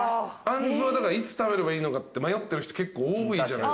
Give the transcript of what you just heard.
あんずはいつ食べればいいのかって迷ってる人結構多いじゃないっすか。